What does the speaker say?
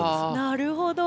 なるほど。